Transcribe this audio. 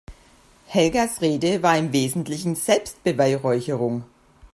Helgas Rede war im Wesentlichen Selbstbeweihräucherung.